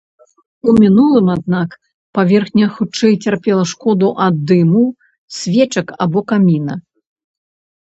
У мінулым, аднак, паверхня хутчэй цярпела шкоду ад дыму свечак або каміна.